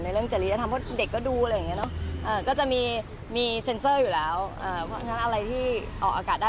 เพราะฉะนั้นอะไรที่ออกอากาศได้